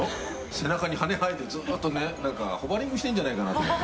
背中に羽生えてね、なんかホバリングしてるんじゃないかなと思って。